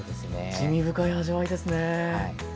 滋味深い味わいですね。